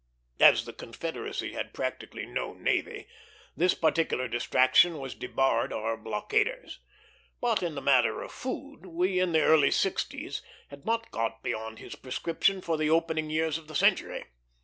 As the Confederacy had practically no navy, this particular distraction was debarred our blockaders; but in the matter of food, we in the early sixties had not got beyond his prescription for the opening years of the century.